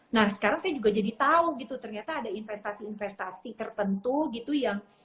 nah sekarang saya juga jadi tahu gitu ternyata ada investasi investasi tertentu gitu yang